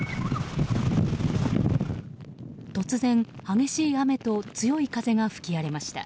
突然、激しい雨と強い風が吹き荒れました。